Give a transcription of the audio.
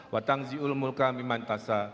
watangziul mulka mimantasa